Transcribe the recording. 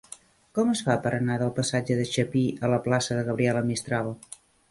Com es fa per anar del passatge de Chapí a la plaça de Gabriela Mistral?